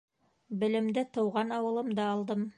Белемде тыуған ауылымда алдым.